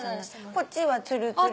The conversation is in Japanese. こっちはツルツル。